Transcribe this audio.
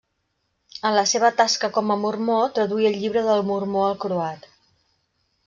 En la seva tasca com a mormó traduí el Llibre del Mormó al croat.